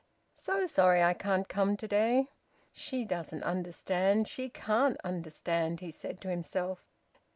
... `So sorry I can't come to day!' "She doesn't understand. She can't understand!" he said to himself.